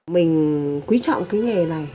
mình quý trọng kinh nghiệm